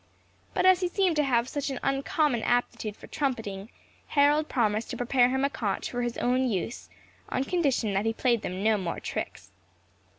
But as he seemed to have such an uncommon aptitude for trumpeting, Harold promised to prepare him a conch for his own use, on condition that he played them no more tricks.